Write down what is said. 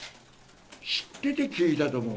知ってて聞いたと思う。